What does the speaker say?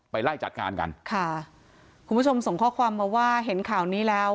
ไล่จัดงานกันค่ะคุณผู้ชมส่งข้อความมาว่าเห็นข่าวนี้แล้ว